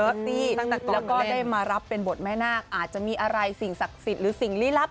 มีทำนี้ตั้งน๕๐๐๐อะไรรับเป็นบทแม่นาคอาจจะมีอะไรสิ่งศักดิ์สิทธิหรือสิ่งลีลับ